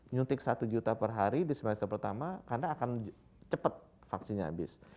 nyuntik satu juta per hari di semester pertama karena akan cepat vaksinnya habis